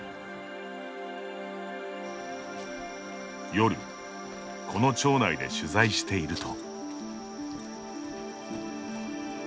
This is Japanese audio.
夜、この町内で取材していると。